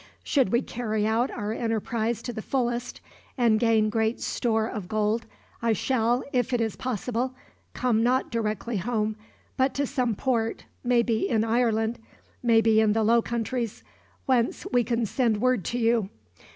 "Should we carry out our enterprise to the fullest, and gain great store of gold, I shall, if it is possible, come not directly home, but to some port maybe in Ireland, maybe in the Low Countries whence we can send word to you.